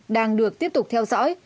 đang được tiếp tục theo dõi